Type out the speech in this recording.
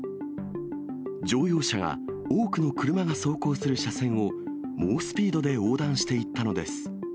乗用車が多くの車が走行する車線を猛スピードで横断していったのです。